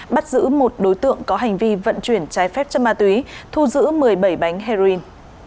bắt giữ một đối tượng có hành vi vận chuyển trái phép chất ma túy thu giữ một mươi bảy bánh heroin